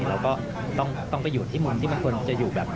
เราก็ต้องไปอยู่ที่มุมที่มันควรจะอยู่แบบ